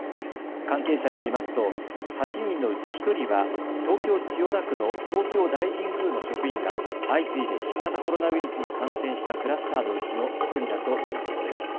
関係者によりますと８人のうち１人は東京千代田区の東京大神宮の職員が相次いで新型コロナウイルスに感染したクラスターのうちの１人だということです。